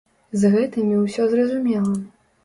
З гэтымі ўсё зразумела.